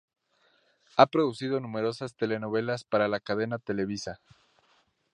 Ha producido numerosas telenovelas para la cadena Televisa.